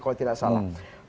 kalau tidak salah